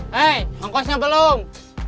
hei hongkosnya belum